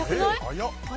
早っ！